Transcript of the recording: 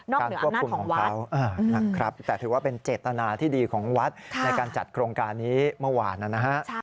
นอกเหนืออำนาจของวัดนะครับแต่ถือว่าเป็นเจตนาที่ดีของวัดในการจัดโครงการนี้เมื่อวานนะครับ